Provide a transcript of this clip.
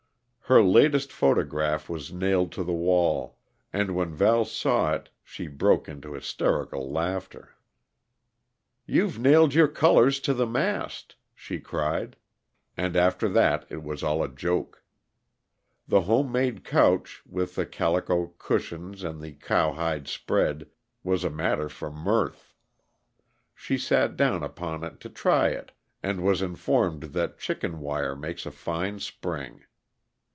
Her latest photograph was nailed to the wall; and when Val saw it she broke into hysterical laughter. "You've nailed your colors to the mast," she cried, and after that it was all a joke. The home made couch, with the calico cushions and the cowhide spread, was a matter for mirth. She sat down upon it to try it, and was informed that chicken wire makes a fine spring.